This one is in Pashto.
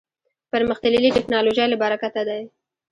پرمختللې ټکنالوژۍ له برکته دی.